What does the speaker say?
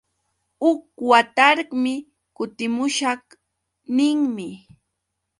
Huk watarqmi kutimushaq ninmi.